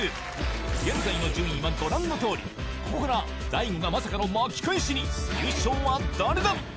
現在の順位はご覧のとおりここから大悟がまさかの巻き返しに優勝は誰だ？